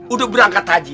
udah berangkat aja